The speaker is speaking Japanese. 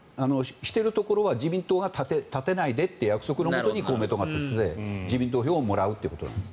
しているところは自民党が立てないでと約束のもとに公明党が立って自民党票をもらうということなんです。